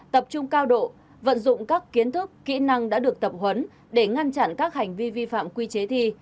tập trung cao độ vận dụng các kiến thức kỹ năng đã được tập huấn để ngăn chặn các hành vi vi phạm quy chế thi